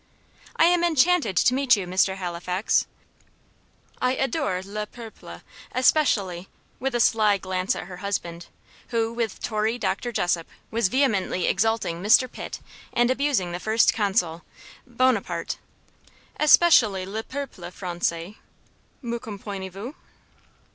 "I am enchanted to meet you, Mr. Halifax; I adore 'le peuple.' Especially" with a sly glance at her husband, who, with Tory Dr. Jessop, was vehemently exalting Mr. Pitt and abusing the First Consul, Bonaparte "especially le peuple Francais. Me comprenez vous?"